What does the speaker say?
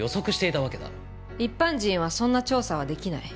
一般人はそんな調査はできない。